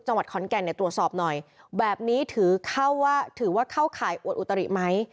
จังหวัดขอนแก่ตรวจสอบหน่อยแบบนี้ถือว่าเข้าข่ายอวดอุตริไหม